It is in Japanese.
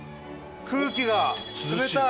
空気が冷たい。